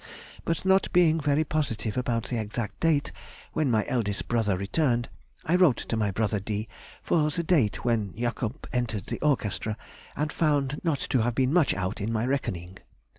But not being very positive about the exact date when my eldest brother returned, I wrote to my brother D. for the date when Jacob entered the orchestra, and found not to have been much out in my reckoning.